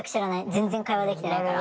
全然会話できてないから。